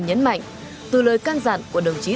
nhấn mạnh từ lời can dặn của đồng chí